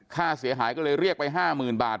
ค่าเสียหายก็เลยเรียกไป๕๐๐๐บาท